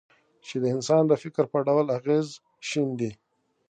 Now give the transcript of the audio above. چې د انسان د فکر په ډول اغېز شیندي.